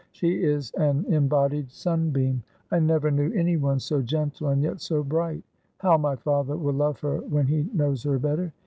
She is an embodied sunbeam. I never knew anyone so gentle and yet so bright. How my father will love her when he knows her better."